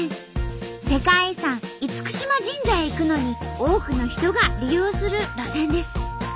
世界遺産嚴島神社へ行くのに多くの人が利用する路線です。